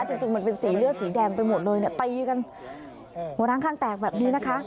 จริงมันเป็นสีเลือดสีแดงไปหมดเลยเนี่ยตีกันหัวร้างข้างแตกแบบนี้นะคะ